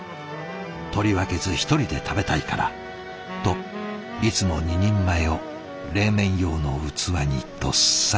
取り分けず１人で食べたいからといつも２人前を冷麺用の器にどっさりと。